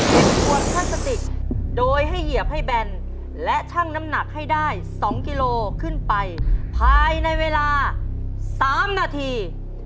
ขวดพลาสติกโดยให้เหยียบให้แบนและชั่งน้ำหนักให้ได้๒กิโลขึ้นไปภายในเวลา๓นาที